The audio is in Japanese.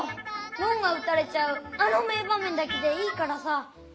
ごんがうたれちゃうあの名ばめんだけでいいからさ。